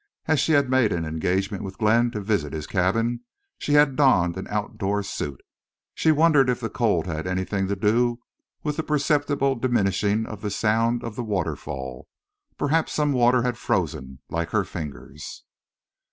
As she had made an engagement with Glenn to visit his cabin, she had donned an outdoor suit. She wondered if the cold had anything to do with the perceptible diminishing of the sound of the waterfall. Perhaps some of the water had frozen, like her fingers.